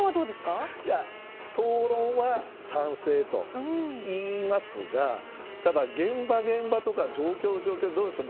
総論は賛成と言いますがただ、現場現場とか状況状況でどうでしょう。